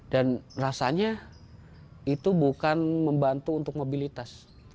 dan rasanya itu bukan membantu untuk mobilitas